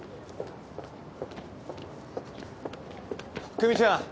久美ちゃん。